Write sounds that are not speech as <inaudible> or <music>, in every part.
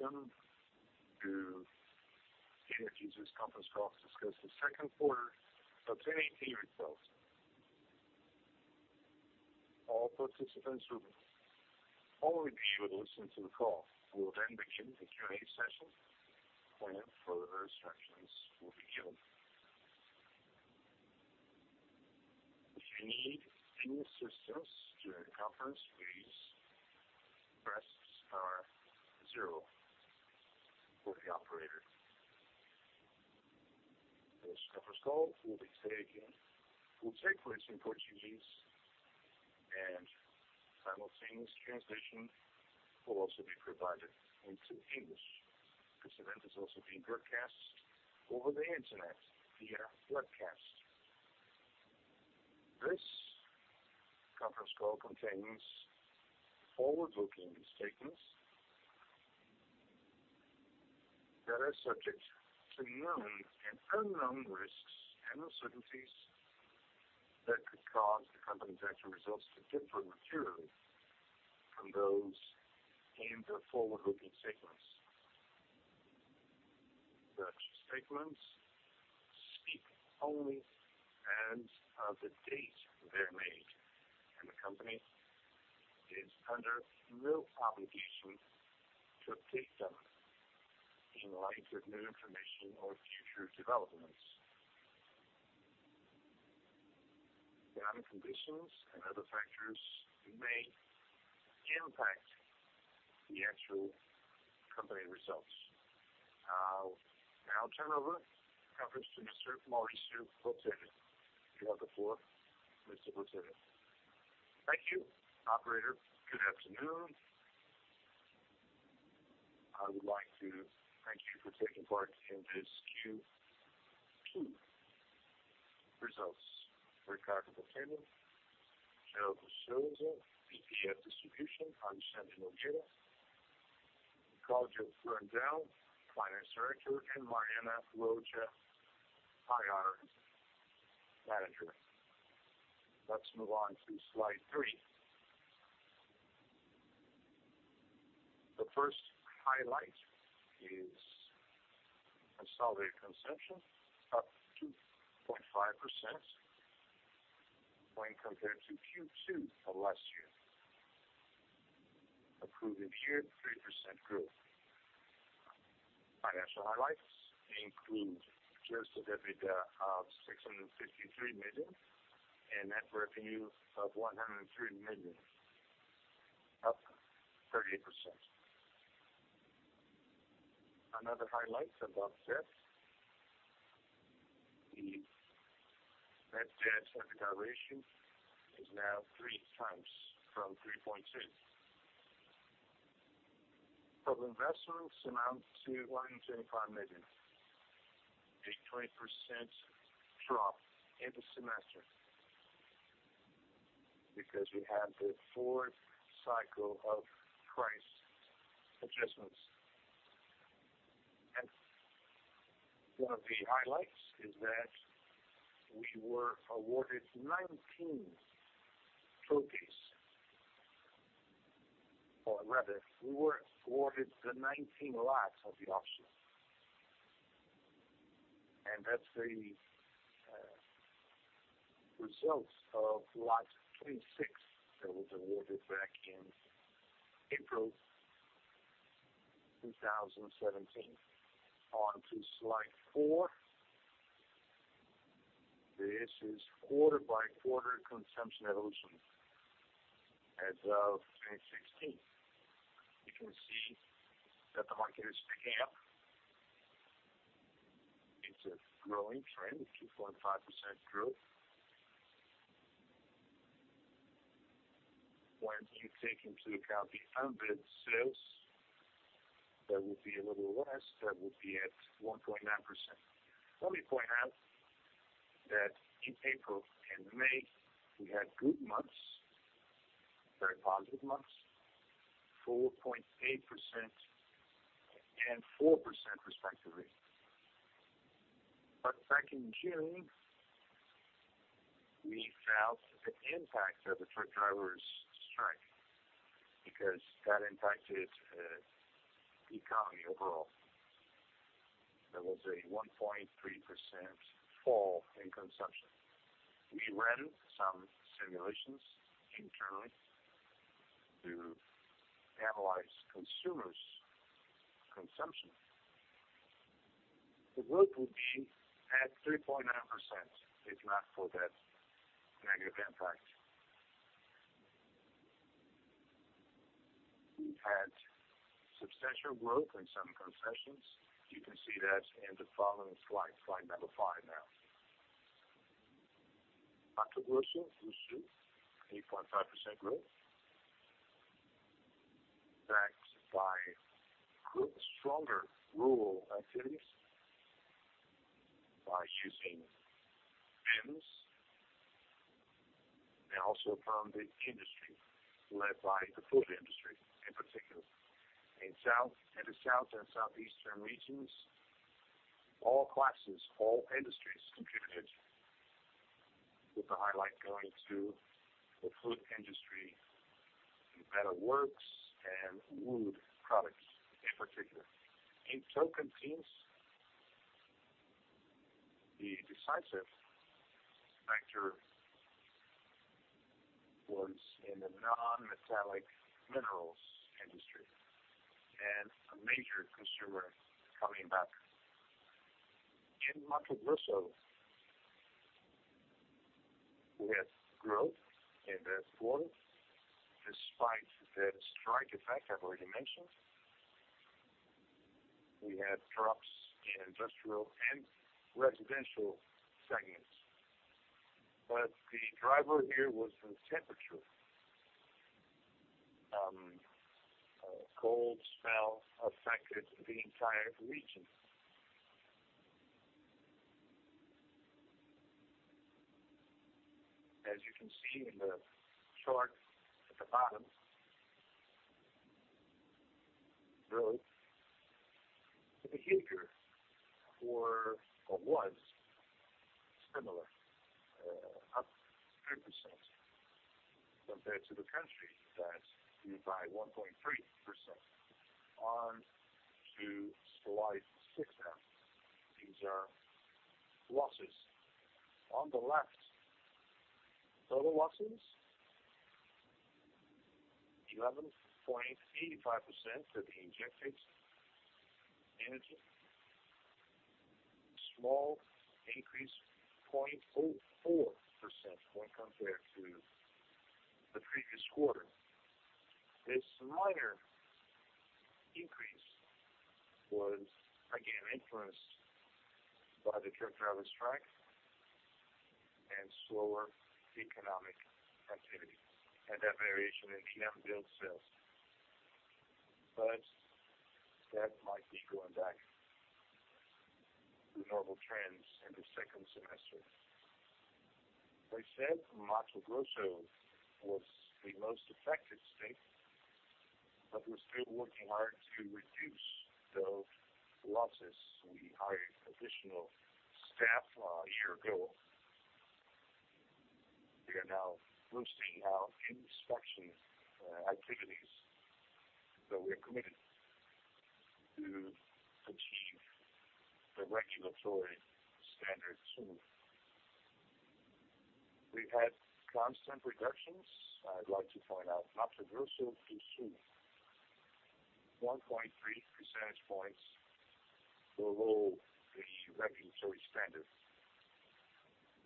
Welcome to Energisa's conference call to discuss the second quarter of 2018 results. All participants will only be able to listen to the call. We will begin the Q&A session when further instructions will be given. If you need any assistance during the conference, please press star zero for the operator. This conference call will take place in Portuguese, and simultaneous translation will also be provided into English. This event is also being broadcast over the internet via webcast. This conference call contains forward-looking statements that are subject to known and unknown risks and uncertainties that could cause the company's actual results to differ materially from those in the forward-looking statements. Such statements speak only as of the date they are made, and the company is under no obligation to update them in light of new information or future developments. Market conditions and other factors may impact the actual company results. I will now turn over the conference to Mr. Maurício Botelho. You have the floor, Mr. Botelho. Thank you, operator. Good afternoon. I would like to thank you for taking part in this Q2 results. Ricardo Perez Botelho, CEO of Energisa; VP of Distribution, Alexandre Nogueira; Rogério Ferraz, Finance Director; and Mariana Frollo, Investor Relations Manager. Let's move on to slide three. The first highlight is consolidated consumption, up 2.5% when compared to Q2 of last year, a proven year-to-date 3% growth. Financial highlights include adjusted EBITDA of 653 million and net revenue of 103 million, up 30%. Another highlight above debt, the net debt coverage ratio is now 3 times from 3.2. Total investments amount to 125 million, a 20% drop in the semester because we had the fourth cycle of price adjustments. One of the highlights is that we were awarded 19 trophies, or rather, we were awarded the 19 lots of the auction. That's the results of lot 26 that was awarded back in April 2017. On to slide four. This is quarter-by-quarter consumption evolution as of 2016. You can see that the market is picking up. It's a growing trend, 2.5% growth. When you take into account the unbid sales, that would be a little less. That would be at 1.9%. Let me point out that in April and May, we had good months, very positive months, 4.8% and 4% respectively. Back in June, we felt the impact of the truck drivers' strike because that impacted the economy overall. There was a 1.3% fall in consumption. We ran some simulations internally to analyze consumers' consumption. The growth would be at 3.9% if not for that negative impact. We've had substantial growth in some concessions. You can see that in the following slide number five now. <inaudible> 8.5% growth. That's by stronger rural activities by using vans, and also from the industry, led by the food industry in particular. In the South and Southeastern regions, all classes, all industries contributed with the highlight going to the food industry, metalworks, and wood products in particular. In Tocantins, the decisive factor was in the non-metallic minerals industry and a major consumer coming back. In Mato Grosso, we had growth in that quarter despite the strike effect I've already mentioned. We had drops in industrial and residential segments. The driver here was the temperature. A cold spell affected the entire region. As you can see in the chart at the bottom, really, the behavior was similar, up 3% compared to the country that moved by 1.3%. Slide 6 now. These are losses. On the left, total losses, 11.85% of the injected energy. Small increase, 0.04% when compared to the previous quarter. This minor increase was again influenced by the truck driver strike and slower economic activity, and that variation in PM bill sales. That might be going back to normal trends in the second semester. As I said, Mato Grosso was the most affected state, but we're still working hard to reduce those losses. We hired additional staff a year ago. We are now boosting our inspection activities, so we are committed to achieve the regulatory standard soon. We've had constant reductions. I'd like to point out Mato Grosso do Sul, 1.3 percentage points below the regulatory standard.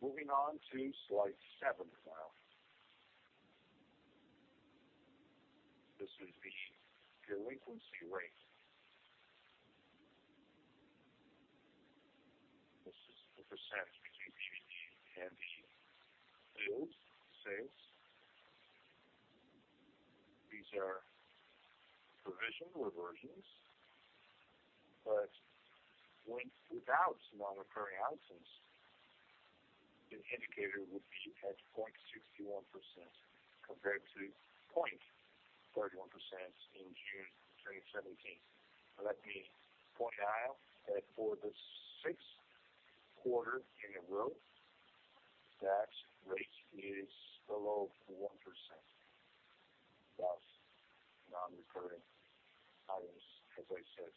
Moving on to slide 7 now. This is the delinquency rate. This is the percentage between the issued and the billed sales. These are provisional versions, but without non-recurring items, the indicator would be at 0.61% compared to 0.31% in June 2017. Let me point out that for the sixth quarter in a row, that rate is below 1%, thus non-recurring items, as I said.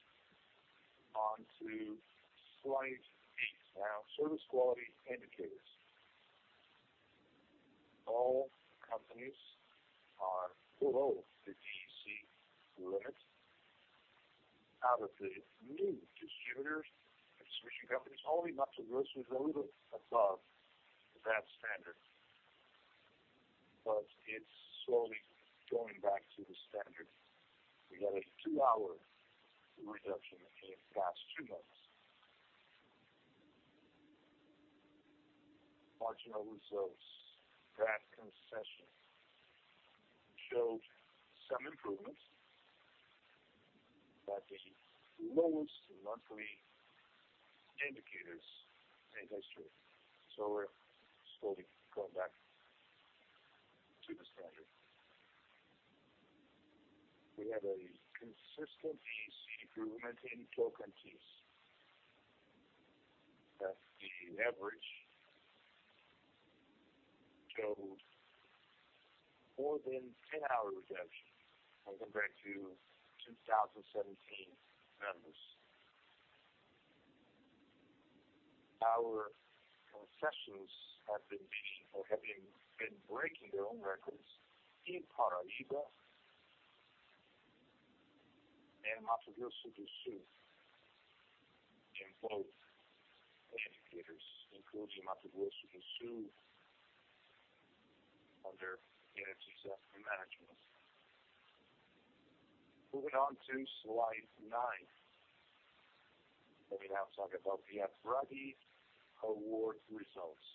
Slide 8 now. Service quality indicators. All companies are below the DEC limit. Out of the new distributors, distribution companies, only Mato Grosso is a little above that standard, but it's slowly going back to the standard. We had a 2-hour reduction in the past two months. Mato Grosso's draft concession showed some improvements, but the lowest monthly indicators in history. So we're slowly going back to the standard. We have a consistent DEC improvement in Tocantins, that the average showed more than 10-hour reduction when compared to 2017 numbers. Our concessions have been breaking their own records in Paraíba and Mato Grosso do Sul in both indicators, including Mato Grosso do Sul under Energisa management. Moving on to slide 9. Let me now talk about the Abradee award results.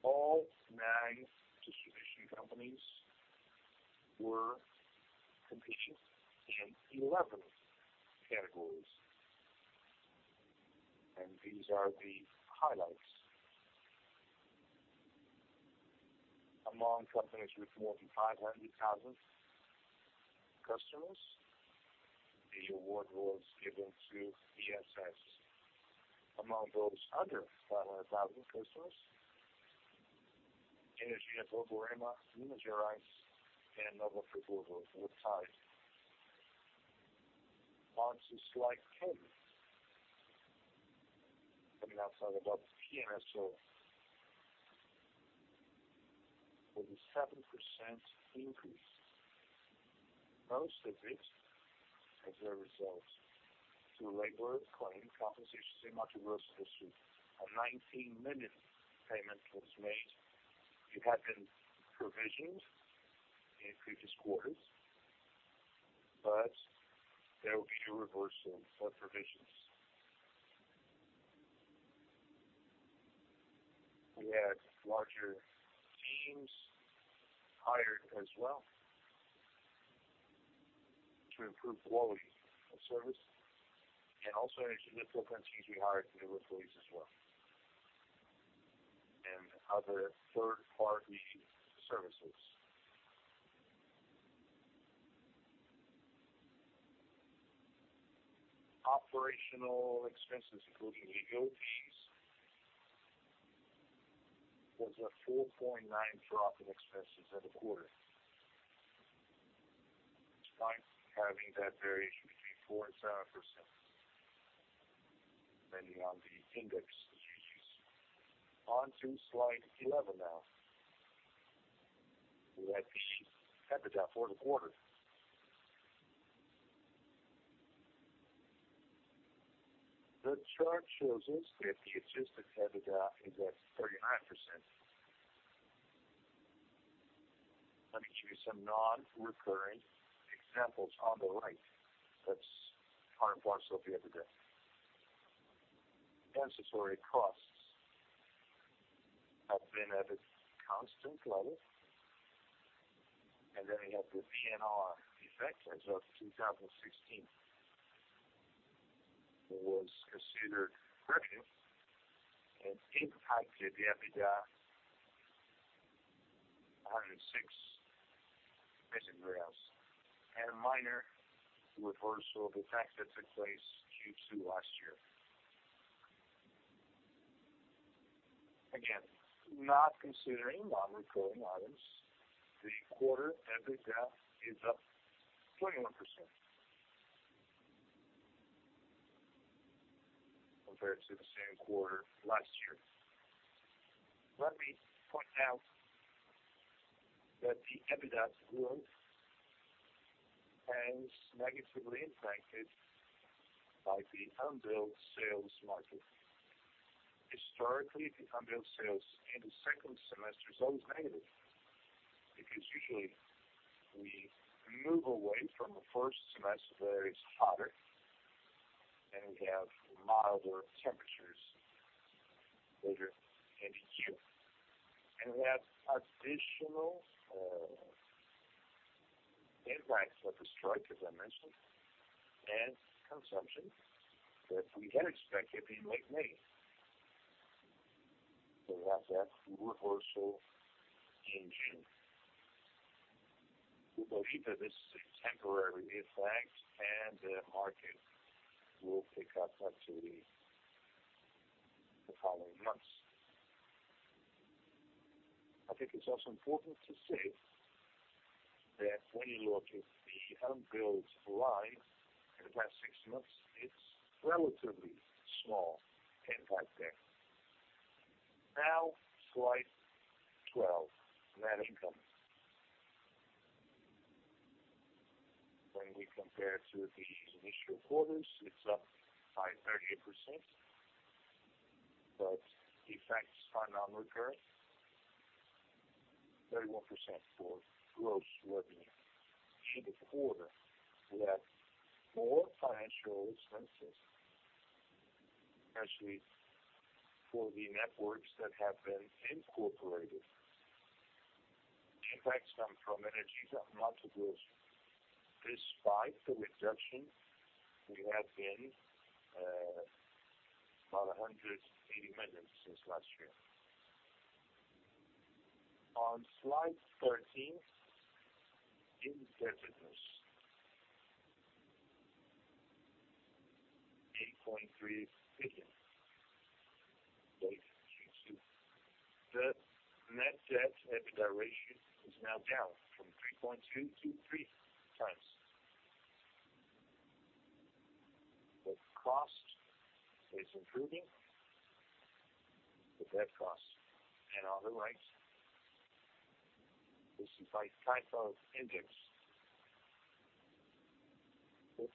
All 9 distribution companies were competing in 11 categories, and these are the highlights. Among companies with more than 500,000 customers, the award was given to Energisa Sergipe. Among those under 500,000 customers, Energisa Borborema, Energisa and Energisa Nova Friburgo were tied. Slide 10. Coming outside about PMSO, 47% increase, most of it as a result to a labor claim, compensation, same as universal service. A 19 million payment was made. It had been provisioned in previous quarters, but there will be a reversal of provisions. We had larger teams hired as well to improve quality of service, and also Energisa Norte Grande usually hire new employees as well, and other third-party services. Operational expenses, including legal fees, was a 4.9% drop in expenses at the quarter. Mind having that variation between 4% and 7%, depending on the index that you use. Slide 11 now. We had the EBITDA for the quarter. The chart shows us that the adjusted EBITDA is at 39%. Let me give you some non-recurring examples on the right that are part of our scope of the day. Ancillary costs have been at a constant level, and then we have the PNR effect as of 2016. compared to the same quarter last year. Let me point out that the EBITDA growth was negatively impacted by the unbilled sales market. Historically, the unbilled sales in the second semester is always negative, because usually we move away from the first semester where it's hotter, and we have milder temperatures later in the year. We have additional impact of the strike, as I mentioned, and consumption that we had expected in late May. So we have that reversal in June, although it is a temporary effect and the market will pick up activity the following months. I think it's also important to say that when you look at the unbilled line in the past 6 months, it's a relatively small impact there. Slide 12, net income. When we compare to the initial quarters, it's up by 38%, effects are non-recurring, 31% for gross revenue. In the quarter, we had four financial expenses, especially for the networks that have been incorporated. The effects come from Energisa Mato Grosso. Despite the reduction, we have gained about 180 million since last year. On slide 13, indebtedness. BRL 8.3 billion, late Q2. The net debt EBITDA ratio is now down from 3.2 to 3 times. The cost is improving, the debt cost. On the right, this is by type of index. 70%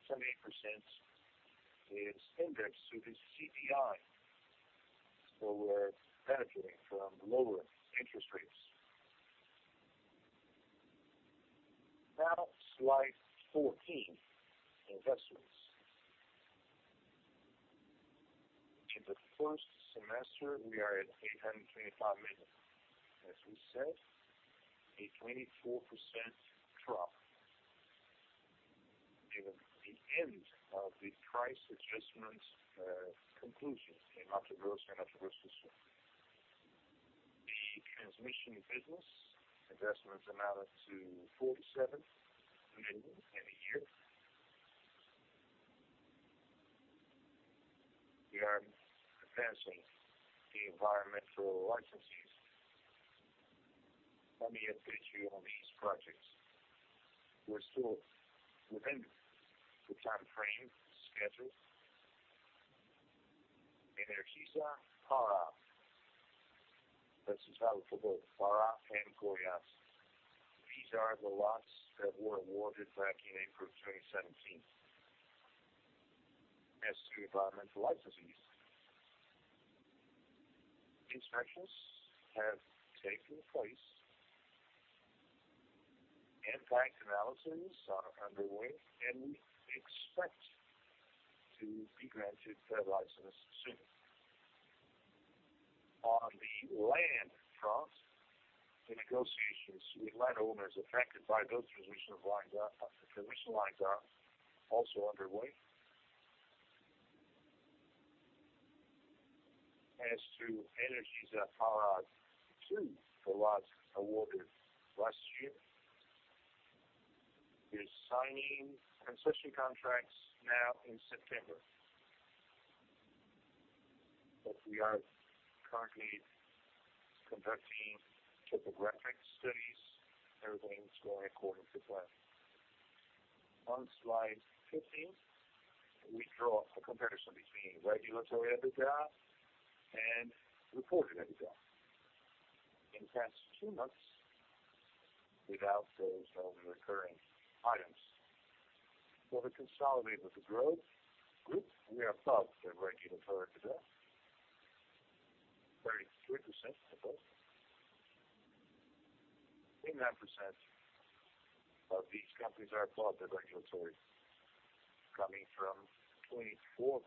is indexed to the CDI, so we're benefiting from lower interest rates. Slide 14, investments. In the first semester, we are at 825 million. As we said, a 24% drop Even the end of the price adjustment conclusion in Mato Grosso and Mato Grosso do Sul. The transmission business investments amounted to 47 million in a year. We are advancing the environmental licenses. Let me update you on these projects. We're still within the timeframe schedule. Energisa Pará. That's the title for both Pará and Goiás. These are the lots that were awarded back in April 2017. As to environmental licenses, inspections have taken place, impact analyses are underway, and we expect to be granted their license soon. On the land front, the negotiations with landowners affected by those transmission lines are also underway. As to Energisa Pará II, the lot awarded last year, we're signing concession contracts now in September. We are currently conducting topographic studies. Everything is going according to plan. On slide 15, we draw a comparison between regulatory EBITDA and reported EBITDA. In the past 2 months, without those non-recurring items, for the consolidated group, we are above the regulatory EBITDA, 33% above. 29% of these companies are above their regulatory, coming from 24%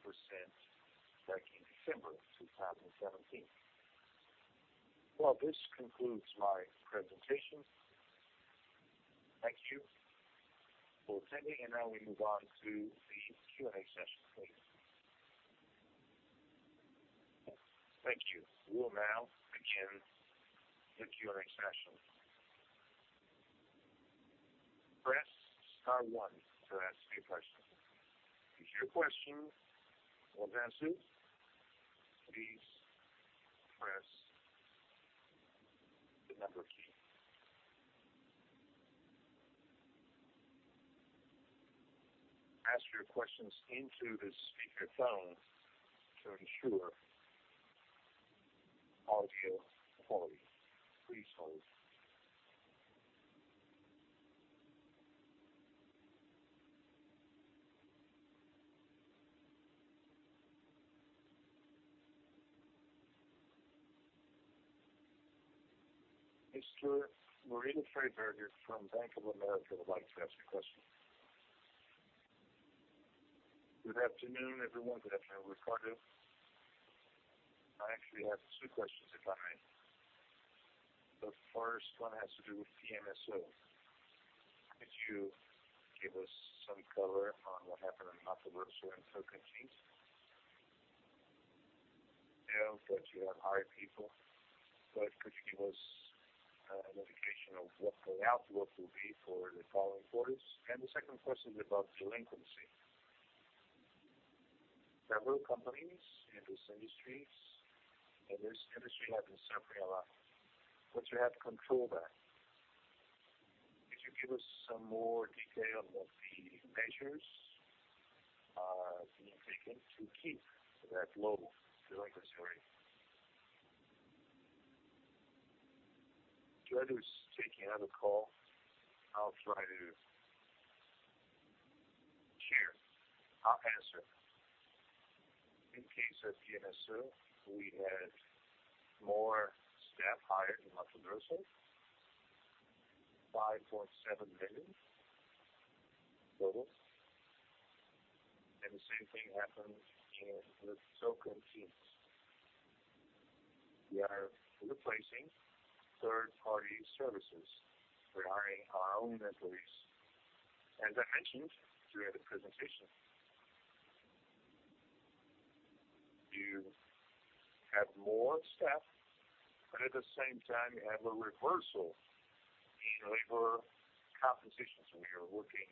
back in December 2017. This concludes my presentation. Thank you for attending, now we move on to the Q&A session, please. Thank you. We will now begin the Q&A session. Press star one to ask me a question. If your question will pass through, please press the number key. Ask your questions into the speakerphone to ensure audio quality. Please hold. Mr. Moreno Trajberg here from Bank of America. I would like to ask a question. Good afternoon, everyone. Good afternoon, Ricardo. I actually have two questions, if I may. The first one has to do with PMSO. Could you give us some color on what happened in Mato Grosso and Sul e Tocantins? I know that you have hired people, could you give us an indication of what the outlook will be for the following quarters? The second question is about delinquency. There are real companies in these industries, this industry has been suffering a lot. You have control there. Could you give us some more detail of the measures being taken to keep that low delinquency rate? Ricardo is taking another call. I'll try to share. I'll answer. In case of PMSO, we had more staff hired in Mato Grosso, BRL 5.7 million global. The same thing happened in the Sul e Tocantins. We are replacing third-party services. We are hiring our own employees. As I mentioned during the presentation, you have more staff, but at the same time, you have a reversal in labor compensation. We are working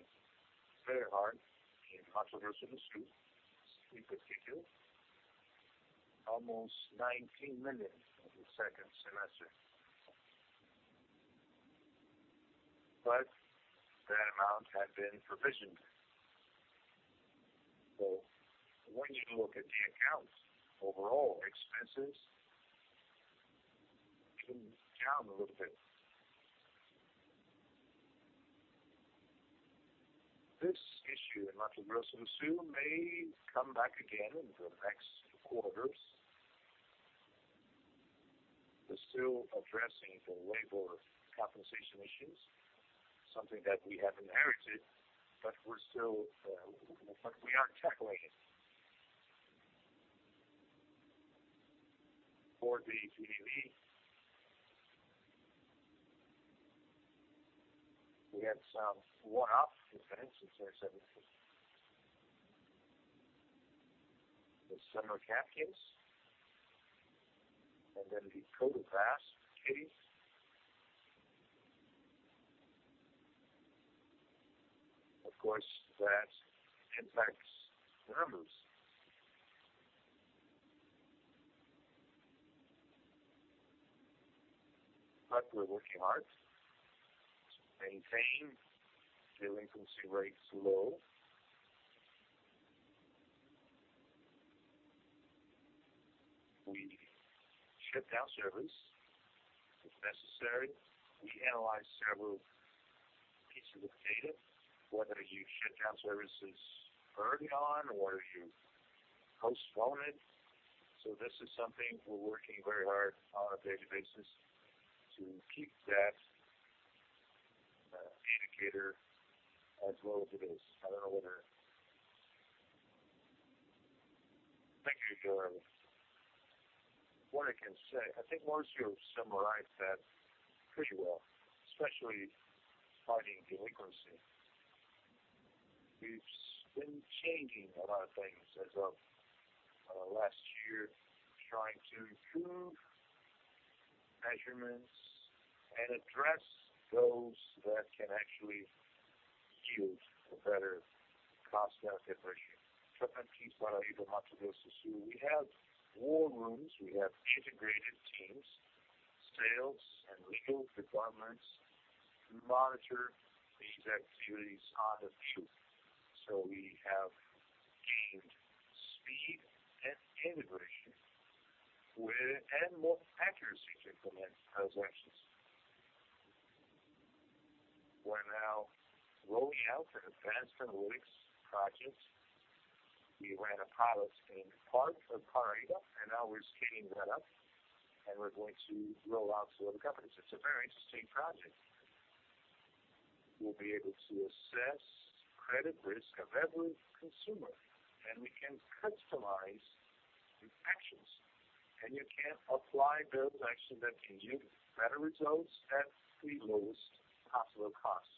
very hard in Mato Grosso do Sul, in particular, almost 19 million in the second semester. That amount had been provisioned. When you look at the accounts, overall expenses came down a little bit. This issue in Mato Grosso do Sul may come back again in the next quarters. We're still addressing the labor compensation issues, something that we have inherited, but we are tackling it. For the QDB, we had some one-off events in Q 2017, the summer cap case and the [Protovast] case. Of course, that impacts the numbers. We're working hard to maintain delinquency rates low. We shut down service if necessary. We analyze several pieces of data, whether you shut down services early on or you postpone it. This is something we're working very hard on a daily basis to keep that indicator as low as it is. Thank you, [Jeremy]. What I can say, I think Maurício, you've summarized that pretty well, especially fighting delinquency. We've been changing a lot of things as of last year, trying to improve measurements and address those that can actually yield a better cost-benefit ratio. Sometimes people want to go too soon. We have war rooms, we have integrated teams, sales and legal departments. We monitor these activities on a daily. We have gained speed and integration and more accuracy to implement transactions. We're now rolling out an advanced analytics project. We ran a pilot in part of [Parida], and now we're scaling that up, and we're going to roll out to other companies. It's a very interesting project. We'll be able to assess credit risk of every consumer, and we can customize the actions, and you can apply those actions that can yield better results at the lowest possible cost.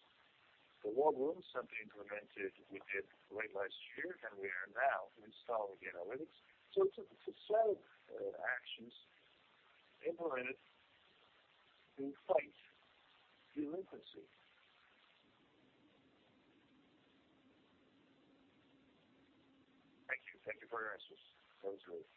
The war room is something implemented we did late last year, and we are now installing analytics. It's a set of actions implemented to fight delinquency. Thank you. Thank you for your answers. That was great.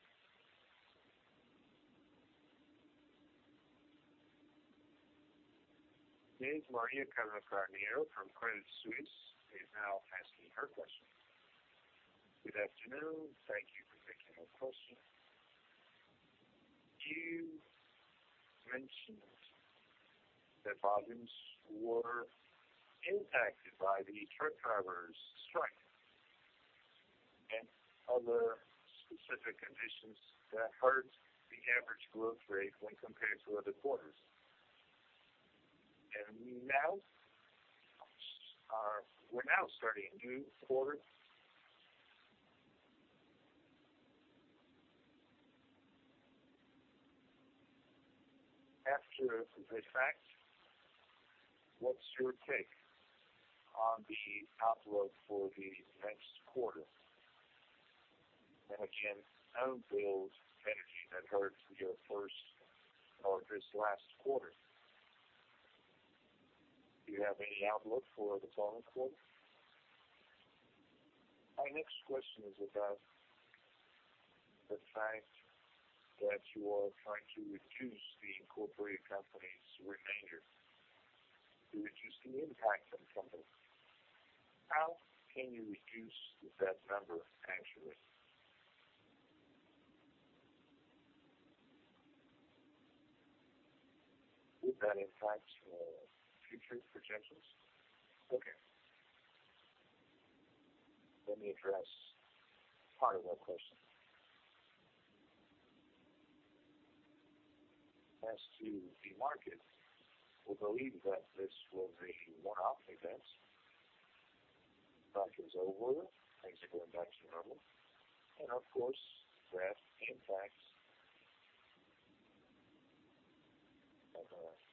Maria Carolina Carneiro from Credit Suisse is now asking her question. Good afternoon. Thank you for taking our question. You mentioned that volumes were impacted by the truck drivers' strike and other specific conditions that hurt the average growth rate when compared to other quarters. We're now starting a new quarter. After the fact, what's your take on the outlook for the next quarter? Again, unbilled energy that hurt your first or this last quarter. Do you have any outlook for the following quarter? My next question is about the fact that you are trying to reduce the incorporated companies' remainder to reduce the impact on the company. How can you reduce that number annually? Would that impact your future projections? Let me address part of that question. As to the market, we believe that this will be a one-off event. Strike is over, things are going back to normal. Of course, that impacts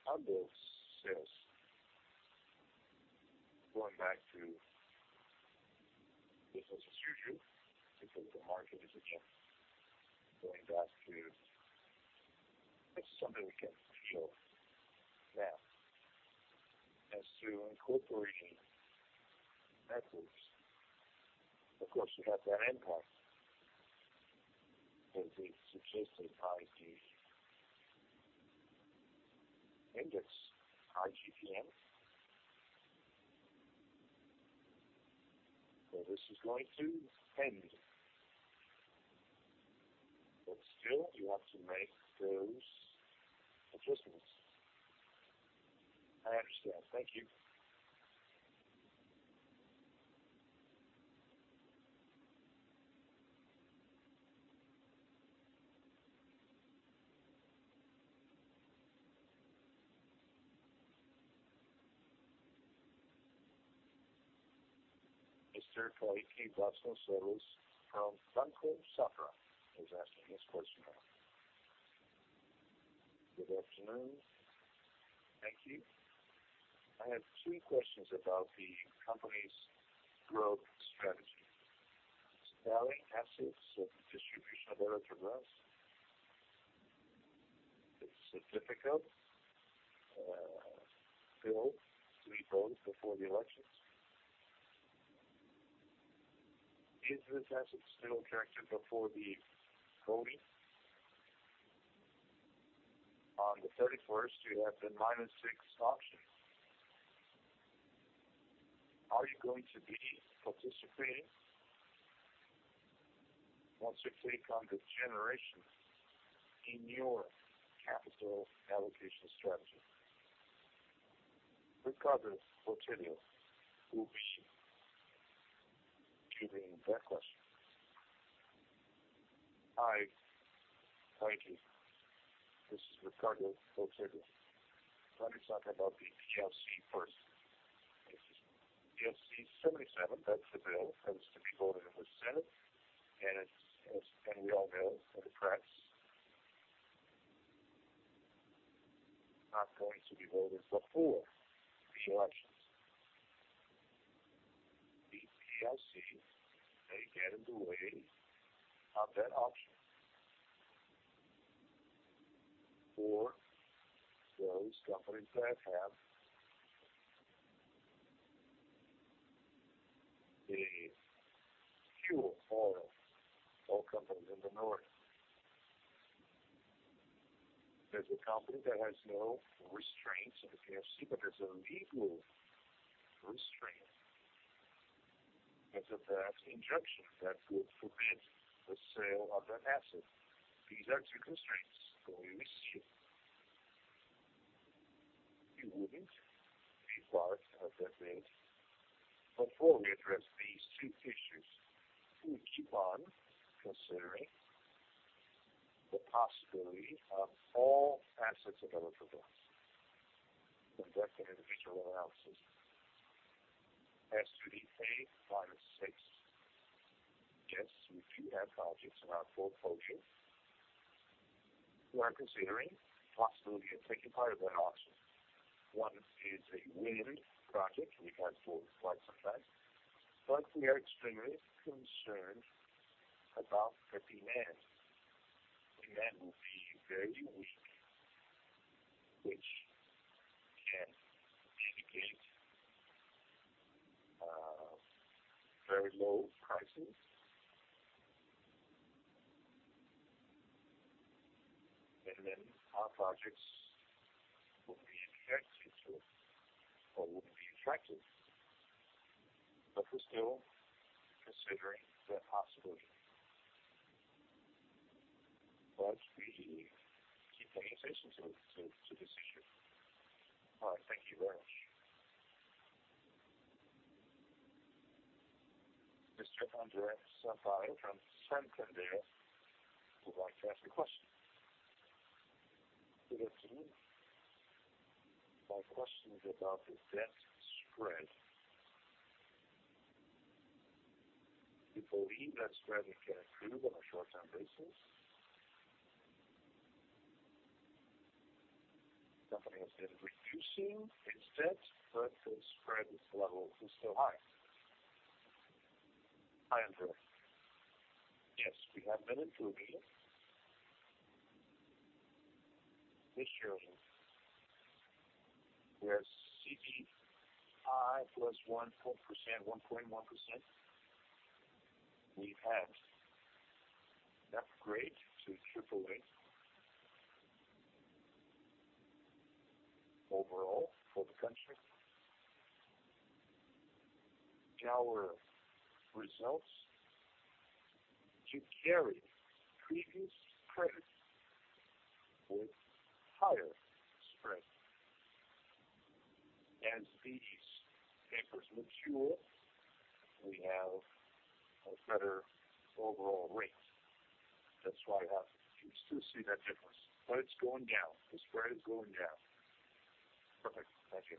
our billed sales going back to business as usual because the market is again going back to. This is something we can show now. As to incorporation methods, of course, you have that impact of the suggested IGP-M. This is going to end. Still, you have to make those adjustments. I understand. Thank you. Mr. Tolley, <inaudible> from Banco Safra is asking his question now. Good afternoon. Thank you. I have two questions about the company's growth strategy. Selling assets of Distribution Eletrobras. Is it difficult? Will it be done before the elections? Is this asset still character before the voting? On the 31st, you have the A-6 auction. Are you going to be participating once you take on the generation in your capital allocation strategy? Ricardo Botelho. Oops. Giving that question. Hi. Thank you. This is Ricardo Botelho. Let me talk about the PLC first. This is PLC 77. That's the bill that is to be voted in the Senate. We all know from the press, not going to be voted before the elections. The PLC may get in the way of that auction for those companies that have the fuel oil companies in the North. There's a company that has no restraints in the PLC. There's a legal restraint. There's a Protovast injunction that would forbid the sale of that asset. These are two constraints that we receive. We wouldn't be part of that bid before we address these two issues. We keep on considering the possibility of all assets available to us and that individual analysis. As to the A-6, yes, we do have projects in our portfolio. We are considering the possibility of taking part of that auction. One is a wind project, and we have four sites on that. We are extremely concerned about the demand. Demand will be very weak, which can indicate very low prices. Our projects will be impacted or won't be attractive. We're still considering that possibility. We keep paying attention to this issue. All right. Thank you very much. Mr. André Sampaio from Santander would like to ask a question. Good afternoon. My question is about the debt spread. Do you believe that spread can improve on a short-term basis? The company has been reducing its debt. The spread level is still high. Hi, André. Yes, we have been improving this year. We are CDI plus 1.1%. We've had an upgrade to AAA overall for the country. Our results to carry previous credit with higher spread. As these papers mature, we have a better overall rate. That's why you still see that difference. It's going down. The spread is going down. Perfect. Thank you.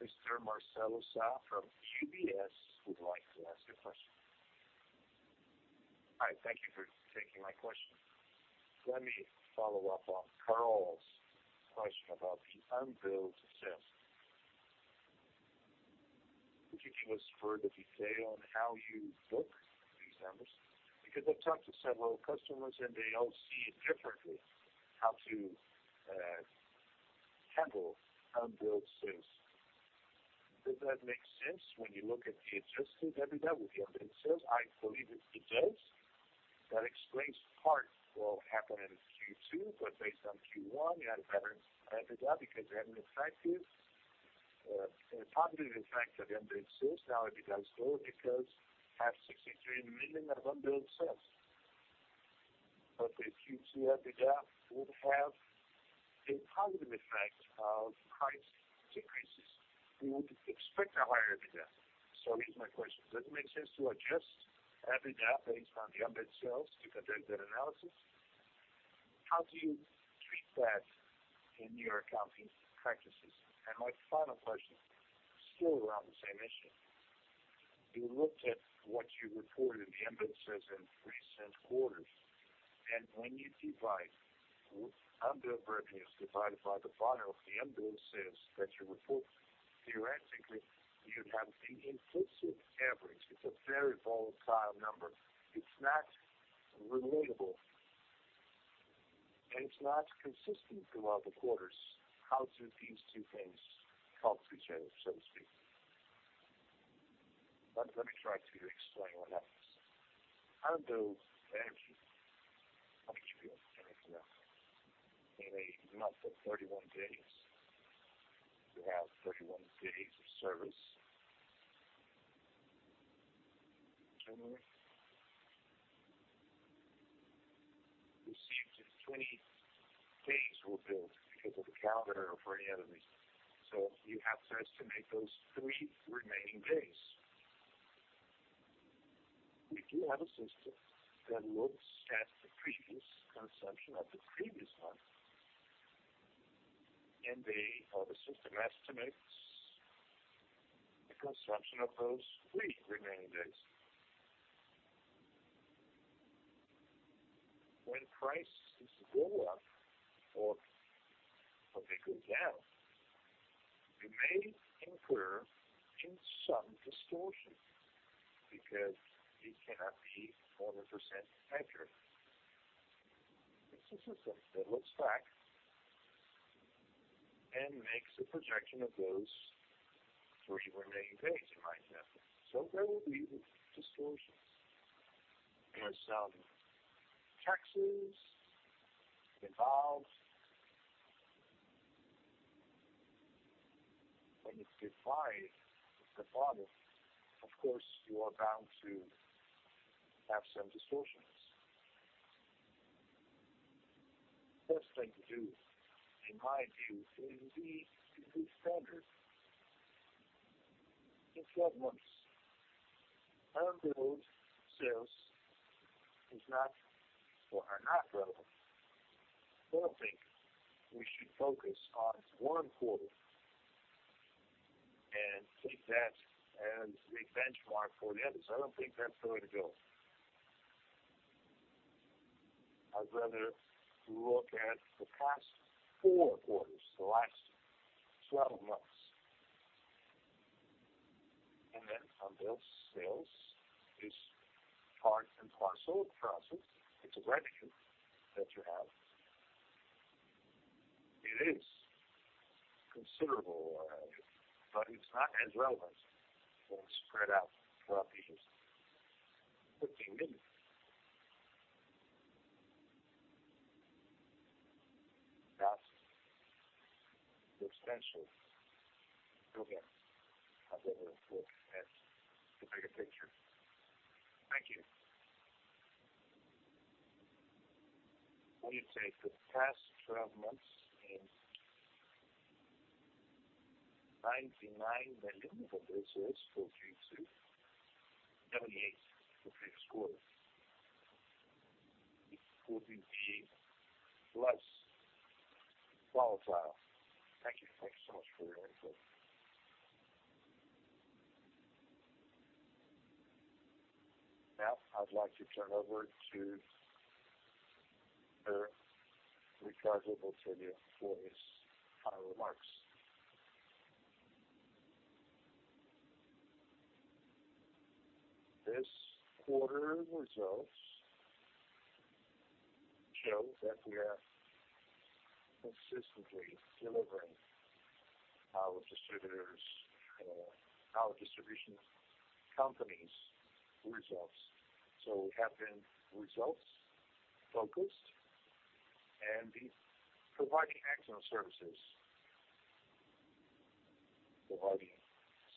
Mr. Marcelo Sá from UBS would like to ask a question. Hi, thank you for taking my question. Let me follow up on [Carl's] question about the unbilled sales. Could you give us further detail on how you book these numbers? I've talked to several customers, they all see it differently, how to handle unbilled sales. Does that make sense when you look at the adjusted EBITDA with the unbilled sales? I believe it does. That explains part what happened in Q2, based on Q1, you had a better EBITDA because you had a positive effect of unbilled sales. Now it becomes low because you have 63 million of unbilled sales. The Q2 EBITDA would have a positive effect of price decreases. We would expect a higher EBITDA. Here's my question: Does it make sense to adjust EBITDA based on the unbilled sales if I did that analysis? How do you treat that in your accounting practices? My final question, still around the same issue. We looked at what you reported in the unbilled sales in recent quarters, when you divide unbilled revenues divided by the bottom of the unbilled sales that you report, theoretically, you'd have the implicit average. It's a very volatile number. It's not relatable, it's not consistent throughout the quarters. How do these two things talk to each other, so to speak? Let me try to explain what that is. Unbilled energy contribution in a month of 31 days, you have 31 days of service. Generally, you see that 20 days were billed because of a calendar or for any other reason. You have to estimate those three remaining days. We do have a system that looks at the previous consumption of the previous month, the system estimates the consumption of those three remaining days. When prices go up or when they go down, you may incur some distortion because it cannot be 100% accurate. It's a system that looks back and makes a projection of those three remaining days in my example. There will be distortions. There are some taxes involved. When you divide the bottom, of course, you are bound to have some distortions. Best thing to do, in my view, is the standard 12 months. Unbilled sales are not relevant. I don't think we should focus on one quarter and take that as the benchmark for the others. I don't think that's the way to go. I'd rather look at the past four quarters, the last 12 months, unbilled sales is part and parcel of the process. It's a revenue that you have. It is considerable revenue, it's not as relevant when spread out throughout the year, BRL 15 million. That's the essential program. I'd rather look at the bigger picture. Thank you. When you take the past 12 months in, 99 million of OCS for Q2, 78 for previous quarter. It would be less volatile. Thank you. Thank you so much for your input. Now, I'd like to turn over to Ricardo Perez Botelho for his final remarks. This quarter results show that we are consistently delivering our distributors and our distribution company's results. We have been results-focused and providing excellent services, providing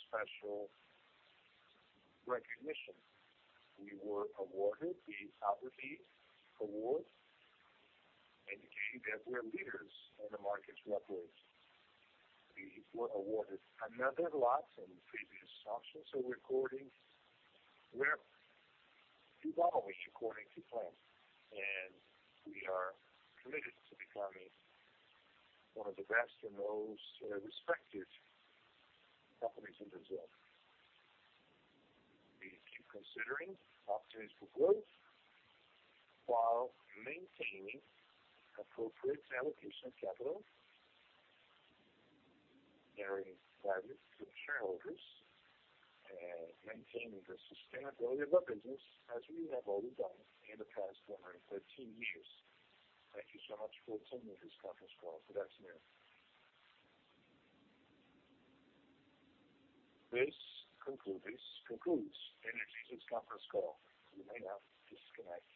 special recognition. We were awarded the Outperform Award, indicating that we're leaders in the markets we operate. We were awarded another lot in the previous auctions, we're evolving according to plan, we are committed to becoming one of the best and most respected companies in Brazil. We keep considering opportunities for growth while maintaining appropriate allocation of capital, generating value for shareholders, and maintaining the sustainability of our business as we have always done in the past 113 years. Thank you so much for attending this conference call. Good afternoon. This concludes Energisa's conference call. You may now disconnect.